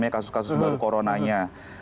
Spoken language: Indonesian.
kasus kasus baru coronanya